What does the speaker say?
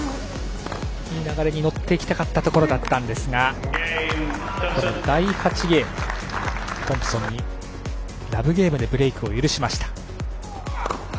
いい流れに乗っていきたかったところだったんですが第８ゲーム、トンプソンにラブゲームでブレークを許しました。